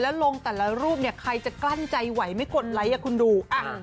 แล้วลงแต่ละรูปเนี่ยใครจะกลั้นใจไหวไม่กดไลค์คุณดู